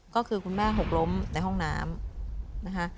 ก็คือคุณแม่หกล้มในห้องน้ำนะคะ